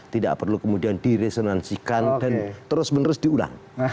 tidak perlu kemudian diresonansikan dan terus menerus diulang